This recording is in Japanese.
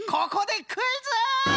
ここでクイズ！